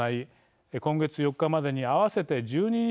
今月４日までに合わせて１２日間